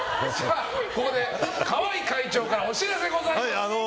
ここで川合会長からお知らせがございます。